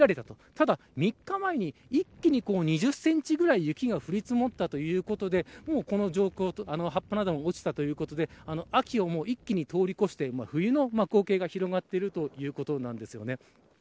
ただ、３日前に一気に２０センチぐらい雪が降り積もったということで葉っぱなども落ちたということで秋を一気にとおり越して冬の光景が広がっているということです。